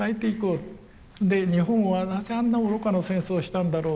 日本はなぜあんな愚かな戦争をしたんだろうと。